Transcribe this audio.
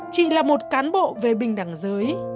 chị là một cán bộ về bình đẳng giới